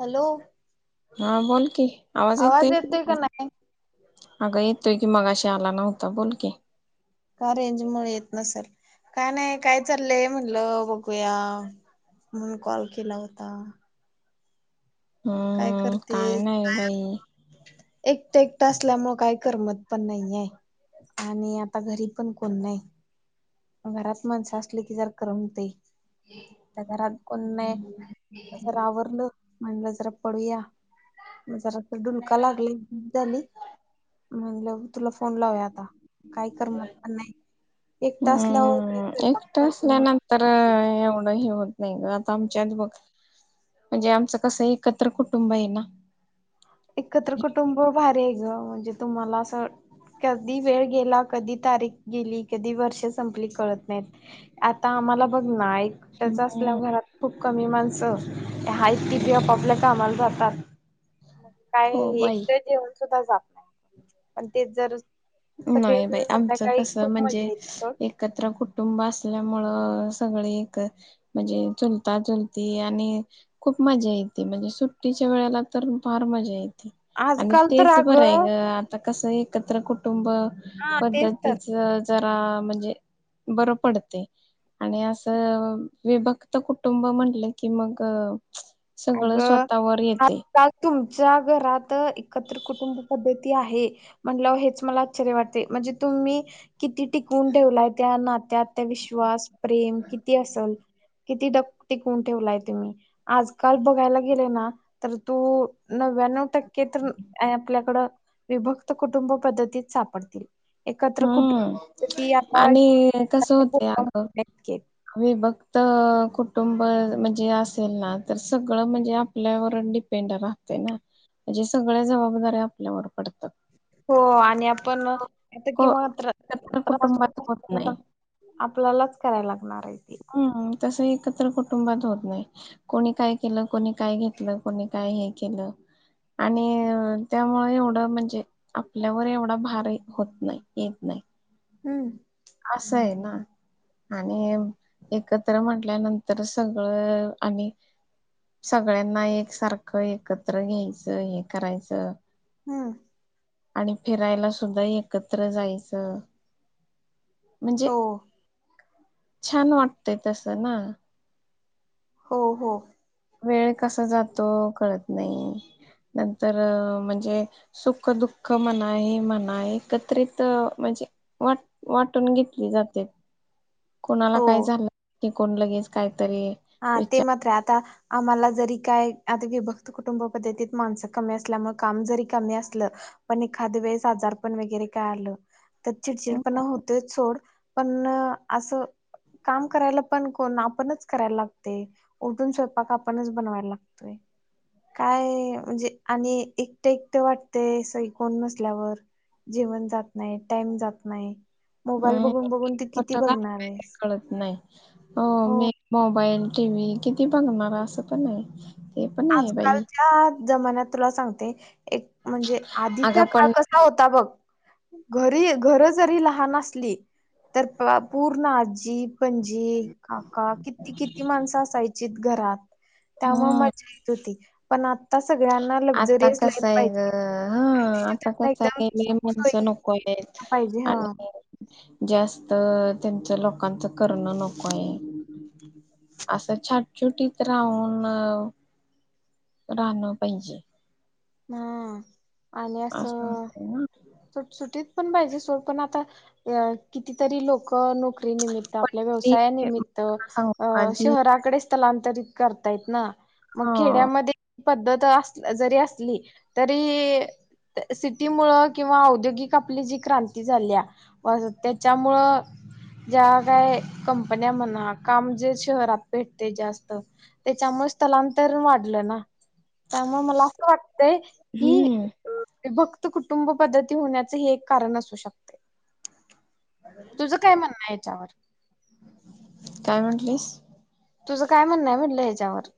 Hello हं बोल की आवाज येतोय की [unintelligible] अगं येतोय की मगाशी आला नव्हता बोल की का रेंजमुळे येत नसल काय नाय काय चाललंय म्हणलं बघूया म्हणून कॉल केला होता. काय हम्म काय करतेस नाही बाई एकट एक् ट असल्यामुळ काय करमत पण नाईयय आणि आता घरी पण कोण नाय घरात माणसं असली की जरा करमतंय. आता घरात कोण नाय जरा आवरलं म्हणलं जरा पडूया म जरा तर डुलका लागला झोप झाली म्हणलं तुला फोन लावूया आता काय करमत पण नाय एक हूं एकट असल्यानंतर एवढं हे होत नाही गं आता आमच्यात बघ म्हणजे आमचं कसंय एकत्र कुटुंब आहे ना एकत्र कुटुंब भारी हाय गं म्हणजे तुम्हाला अस कधी वेळ गेला कधी तारीख गेली कधी वर्ष संपली कळत नाहीत आता आम्हाला बघ ना एक ट हम्म असल्यावर घरात खूप कमी माण् स ती हायीत ती ती आप‌आपल्या कामाला जाताात. काय हो बाई एकट जेवन सुद्धा जात नाय पण तेच जर सगळे नाही बाई मिळून आमचं संध्याकाळी कस खूप म्हणजे मजा येते सोड एकत्र कुटुंब असल्यामुळं सगळी एक म्हणजे चुलता चुलती आणि खूप मजा येते म्हणजे सुट्टीच्या वेळेला तर फार मजा ये आणि आजकाल तर तेच बरं हाय अगं गं आता कसं एकत्र कुट् टुंब हा तेच तर पद्धतीच जरा म्हणजे बर पडतंय आणि असं विभक्त कुटुंब म्हटलं की मग सगळं स्वतःवर अगं येते आजकाल तुम् च्या घरात एकत्र कुटुंब पद्धती आहे म्हणल्याव हेच मला आश्चर्य वाटतय म्हणजे तुम्ही किती टिकवून ठेवलाय त्या नात् त्यात त्या विश्वास प्रेम किती असल? किती टक टिकवून ठेवलाय तुम्ही आज काल बघायला गेले ना तर तू नव्यानव टक् के तर आहे आपल्याकडं विभक्त कुटुंब पद्धतीत सापडतील. एकत्र कुटुंब हम्म ती आता आणि कस होतय अगं आम्ही बघ कुटुंब म्हणजे असेल ना तर सगळं म्हणजे आपल्यावर डिपेंड राहते ना, म्हणजे सगळ्या जबाबदाऱ्या आपल्यावर पडतात. हो आणि आपण को किंवा एकत्र त्रास कुटुंबात होत नाही. [unintelligible] आपल्यालाच करायला लागणार आहे. ते. हम् तस एकत्र कुटुंबात होत नाही कोणी काय केलं कोणी काय घेतलं कोणी काय हे केलं आणि त्यामुळे एवढं म्हणजे आपल्यावर एवढा भार ही होत नाही येत नाही. हम्म असं आहे ना. आणि एकत्र म्हटल्यानंतर सगळं आणि सगळ्यांना एक सारखं एकत्र घ्यायचं हे करायचं. हम्म. आणि फिरायला सुद्धा एकत्र जायचं. म्हणजे हो. छान वाटतेय तसं ना. हो हो. वेळ कसा जातो कळत नाही, नंतर म्हणजे सुख दुःख म्हणा आहे म्हणा एकत्रित म्हणजे वाट वाटून घेतली जाते. कोणाला हो काय झालं? कि कोण लगेच काय हा ते मात्र आता आम्हाला जरी काय आता विभक्त कुटुंब पद्धतीत माणसं कमी असल्यामुळे काम जरी कमी असलं पण एखाद वेळेस आजार पण वगैरे काय आलं तर चिडचिड पण होतयच सोड पण असं काम करायला पण कोण आपणच करायला लागत. उठून स्वयंपाक आपणच बनवायला लागतोय काय म्हणजे आणि एकट-एकट वाटतय सगळी कोण नसल्यावर जेवण जात नाही, टाइम जात नाही. ह मोबाईल बघून बघून ते किती बघणार [unintelligible] आहेस. कळत नाही हो मी मोबाईल टी व्ही किती बघणार असं पण नाही. ते पण आहे बाई आजकालच्या जमान्यात तुला सांगते. एक म्हणजे आधीचा अगं काळ पण कसा होता. बघ घरी घर जरी लहान आसली तर पूर्ण आजी, पणजी, काका किती-किती माणसं असायचीत घरात. त्यामुळे हम्म मजा यायची. पण आता सगळ्यांना आता लक्झरियस कस लाईफ आहे ग पाहिजे. हा आयुष्य आता त्यांना कस एकदम आहे सुखसोयी माणसं नको आहेत पाहिजे हा. आणि जास्त त्यांच लोकांचं करणं नकोय असं छटछुटीत राहून राहणं पाहिजे हा. आणि असं होतंय ना सुटसुटीत पण पाहिजे सोड पण आता कितीतरी लोक लोकं नोकरीनिमित्त पण आपल्या ते व्यवसायानिमित्त मला सांगू का जी शहराकडे स्थलांतरीत करतायेत ना मग ह खेड्यामध्ये पद्धत असल्या जरी असल्या तरी सिटीमुळं किंवा औद्योगिक आपली जी क्रांती झाल्या त्याच्यामुळे ज्या काय कंपन्या म्हणा काम जे शहरात भेटते जास्त त्याच्यामुळे स्थलांतर वाढलं ना- त्यामुळे मला असं वाटत इ हम्म अ [unintelligible] विभक्त कुटुंब पद्धती होण्याच हे एक कारण असू शकते तुझ काय म्हणणं आहे वरच्यावर काय म्हटलीस. तुझं काय म्हणणं आहे म्हटलं याच्यावर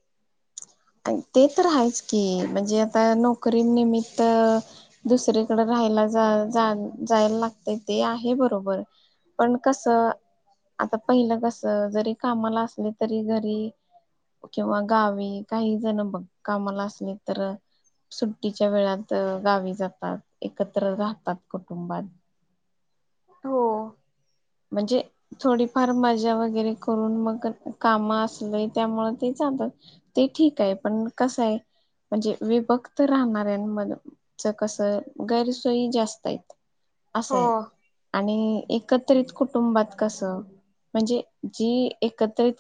ते तर आहेच की म्हणजे आता नोकरी निमित्त दुसरीकडे राहायला जा जायला लागते ते आहे बरोबर, पण कस आता पहिलं कस जरी कामाला असले तरी घरी किंवा गावी काही जण बघ कामाला असले तर सुट्टीच्या वेळात गावी जातात एकत्र राहतात कुटुंबात हो म्हणजे थोडीफार मजा वगैरे करून मग काम असलय त्यामुळे ते जातात ते ठीक आहे. पण कसं आहे म्हणजे विभक्त राहणाऱ्यां च कस गैरसोयी जास्त आहेत. हो असंय आणि एकत एकित कुटुंबात कस म्हणजे जी एकत्रित.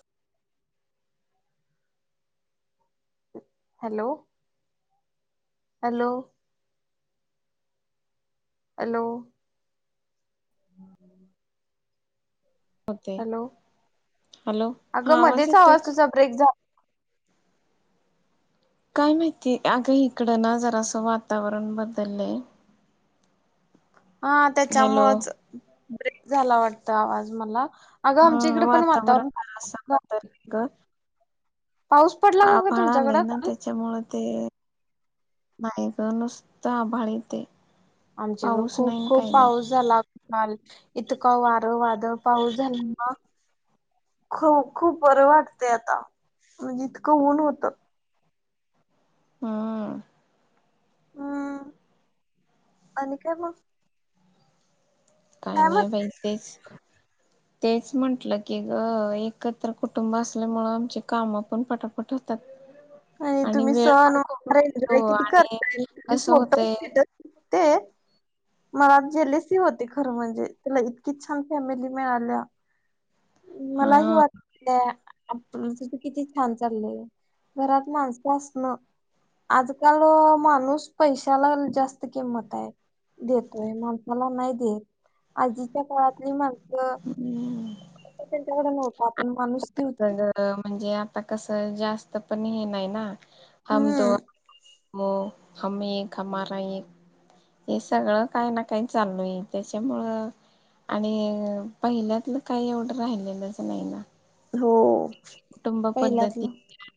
हॅलो! Hello hello! [unintelligible] होते हॅलो हॅलो हा अगं मध्येच येतोय आवाज का? तुझा ब्रेक झाला. काय माहितीय अगं इकडं ना जरा असं वातावरण बदललंय. हा हॅलो त्याच्यामुळच. ब्रेक झाला वाटत आवाज मला. अगं आमच्या इकडे हम्म पण वातावरण. जरासं पाऊस पडला का ग आभळालंय तुमच्याकडं ना काल? त्याच्यामुळ ते. नाही ग नुसत आभाळ येतंय. आमच्याकडें पाऊस खूप नाही न खूप काही नाही पाऊस झाला काल इतका वारं वादळ पाऊस झाला. ख खूप बरं वाटतय आता म्हणजे इतकं ऊन होत. हा. हम्. आणि काय मग? काही काय म्हण नाही बाई तेच तेच म्हंटलं की ग एकत्र कुटुंब असल्यामुंळ आमची काम पण पटापट होतात. आणि तुम्ही वेळ सण पण खूप वार मिळतो एन्जॉय किती आणि करताय कसं फोटो होतंय ते मला जेलसी होते खरं म्हणजे त्याला इतकी छान फॅमिली मिळाल्या मलाही हा वाटतंय आपलं त किती छान चाललय आहे घरात माणसं असणं आजकाल माणूस पैशाला जास्त किंमत आहे देतोय माणसाला नाही देत आजीच्या काळातली माणसं हम्म त्यांच्याकडे नव्हत आपण माणूसकी आता होती म्हणजे आता कसं जास्त पण हे नाही ना हम दो हम्म म हम एक हमारा एक हे सगळं काही ना काही चालू आहे त्याच्यामुळं आणि पहिल्यातलं काही एवढं राहिलेलंच नाही ना हो कुटुंब पद्धती पहिल्यातलं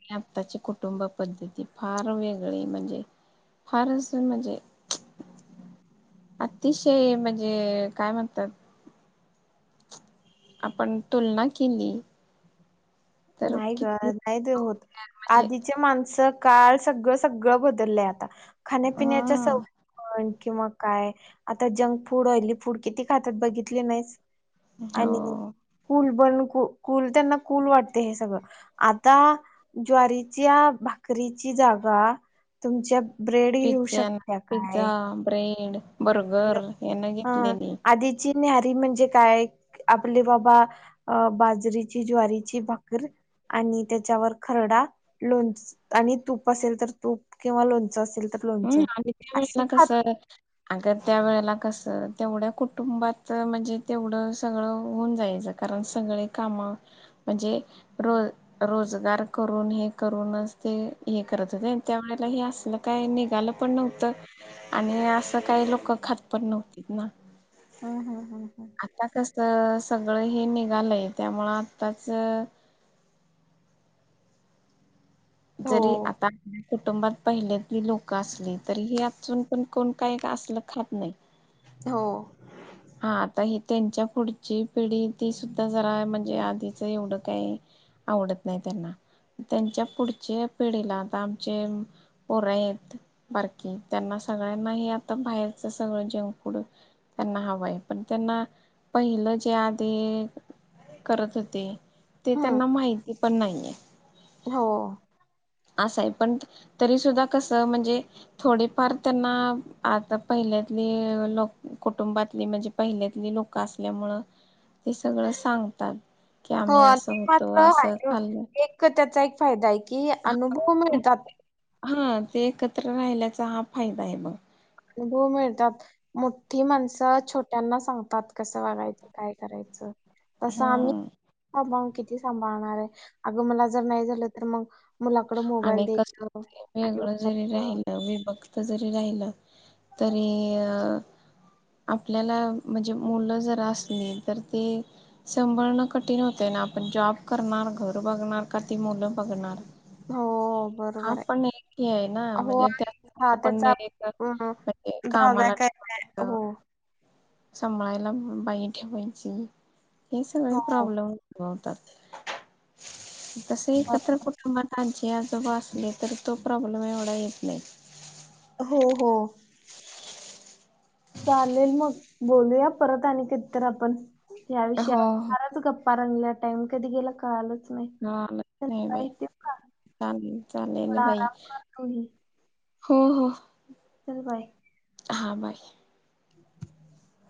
त्याची कुटुंब पद्धती फार वेगळी म्हणजे फार अस म्हणजे अतिशय म्हणजे काय म्हणतात आपण तुलना केली तर नाही ग किती नाही ते होत म्हणजे आधीचे माणस काळ सगळं सगळं बदलय आता खाण्यापिण्याच्या सवयी हा मपण किंवा काय आता जंक फूड ऑइली फूड किती खातात बघितले नाहीस हो कुल त्यांना कुल वाट ते सगळं आता ज्वारीच्या भाकरीची जागा तुमच्या ब्रेड घेऊ पिझ्झा शकत्या पिझ्झा काय ब्रेड बर्गर हे ना हा घेतलेली आधीची न्याहारी म्हणजे काय आपले बाबा बाजरीची ज्वारीची भाकरी आणि त्याच्यावर खरडा लोणच आणि तूप असेल तर तूप किंवा लोणच असेल तर हम लोणचं त्या असे वेळेस खात कसं अग त्या वेळेला कस तेवढ्या कुटुंबात म्हणजे तेवढं सगळं होऊन जायचं कारण सगळे काम म्हणजे रोज रोजगार करून हे करूनच ते हे करत होते त्यावेेळेला हे असलं काय निघ गालं पण नव्हत आणि असं काही लोक खात पण नव्हती ना हम हम हम आता कस तर सगळं हे निघालंय त्यामुंळ आत्ताच हो जरी आता कुटुंबात पहिल्यातली लोकं असली तरी हेअजून पण कोण काही असलं खात नाही हो हा आता हि त्यांच्या पुढची पिढी ती सुद्धा जरा म्हणजे आधीचं एवढं काही आवडत नाही त्यांना त्यांच्या पुढच्या पिढीला आता आमचे पोरं आहेत बारकी त्यांना सगळ्यांना हे आता बाहेरच सगळं जंक फूड त्यांना हव पण त्यांना पहिलं जे आधी करत होते ते हम्म त्यांना माहिती पण नाहीये हो. असाय पण तरी सुुद्धा कसं म्हणजे, थोडेफार त्यांना आता पहिल्यातली लोक कुटुंबातली म्हणजे पहिल्यातली लोकं असल्यामुळं ते सगळं सांगतात. की हो आम्ही [unintelligible] असं एक होतो असं खाल्लं [unintelligible] फायदा एक. कि अनुभव मिळतात. हा, ते एकत्र राहिल्याचा हा फायदा आहे बघ. अनुभव मिळतात, मोठी माणसं छोट्यांना सांगतात कसं वागायचं काय करायचं. तसं आम्ही हम्म नामांकित. सांभाळणार आहे. अगं मला जर नाही झालं तर मग, मुलाकड मोबाईल आणि द्यायचं कसं आणि वेगळं जरी बसायचं राहिलं विभक्त जरी राहिलं तरी, आपल्याला म्हणजे मुलं जर असली तर ते सांभाळणं कठीण होतं ना. आपण जॉब करणार घर बघणार का ती मुलं बघणार. हो हा बरोबर आहे. पण एक हे आहे ना हो म्हणजे त्यात हा आपण त्याचा एक म्हणजे कामाला ड्रॉबॅक आहे का ठेवायचं हो. सांभाळायला बाई ठेवायची. हे सगळे हो प्रॉब्लेम उद्भवतात. तसं बरोबर. एकत्र कुटुंबात आणि हे आजोबा असले, तर तो प्रॉब्लेम एवढा येत नाही. हो हो. [unintelligible] चालेल मग, बोलूया परत आणि कधीतर आपण. तया हो विषयावर हो फारच गप्पा. रंगल्या टाइम, कधी गेला कळालच हा नाही नाही, बाई चालेल चालेल थोडा बाई. आराम कर तूही हो हो. चल बाय. हा बाय. [unintelligible]